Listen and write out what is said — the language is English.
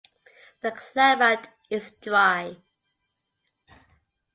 The climate is dry.